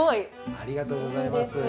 ありがとうございます。